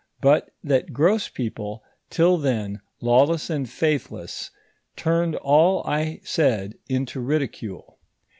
But that gross people till then, lawless and faithless, turned all I said into ridicule.